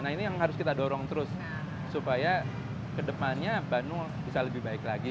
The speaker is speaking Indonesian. nah ini yang harus kita dorong terus supaya kedepannya bandung bisa lebih baik lagi